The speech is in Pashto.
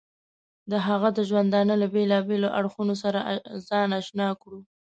د هغه د ژوندانه له بېلابېلو اړخونو سره ځان اشنا کړو.